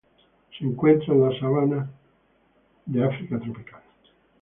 Se encuentra en las sabana de África tropical.